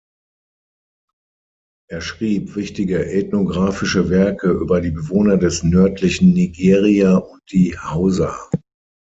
Er schrieb wichtige ethnographische Werke über die Bewohner des nördlichen Nigeria und die Hausa.